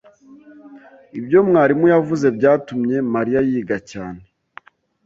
Ibyo mwarimu yavuze byatumye Mariya yiga cyane.